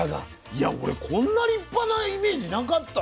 いや俺こんな立派なイメージなかった。